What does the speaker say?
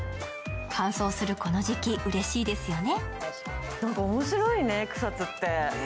乾燥するこの時期、うれしいですよね。